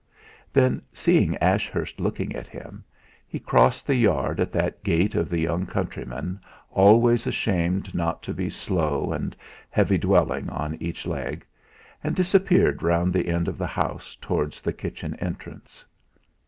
Then, seeing Ashurst looking at him, he crossed the yard at that gait of the young countryman always ashamed not to be slow and heavy dwelling on each leg, and disappeared round the end of the house towards the kitchen entrance.